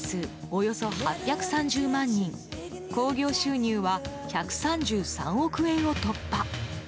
およそ８３０万人興行収入は１３３億円を突破。